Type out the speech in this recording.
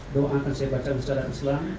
doa akan saya baca secara islam